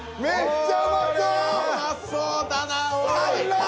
うまそうだなおい！